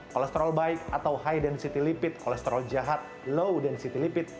kolesterol baik atau high density lipid kolesterol jahat low density lipid